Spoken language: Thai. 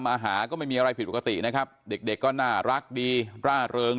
หาก็ไม่มีอะไรผิดปกตินะครับเด็กเด็กก็น่ารักดีร่าเริง